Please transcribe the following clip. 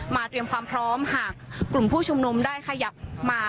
เตรียมความพร้อมหากกลุ่มผู้ชุมนุมได้ขยับมา